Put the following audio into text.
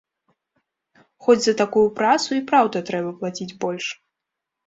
Хоць за такую працу і праўда трэба плаціць больш.